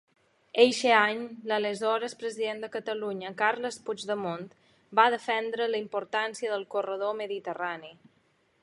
Eixe any l'aleshores president de Catalunya, Carles Puigdemont, va defendre la importància del Corredor Mediterrani.